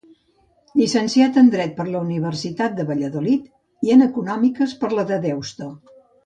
Llicenciat en Dret per la Universitat de Valladolid i en Econòmiques per la de Deusto.